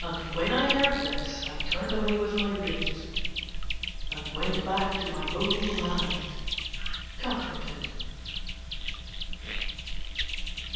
And when I heard this I turned away with my wreath, and went back to my own land comforted.